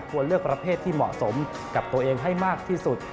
เลือกประเภทที่เหมาะสมกับตัวเองให้มากที่สุด